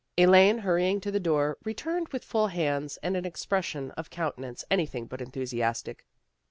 Elaine, hurrying to the door, returned with full hands and an expression of countenance anything but enthusiastic.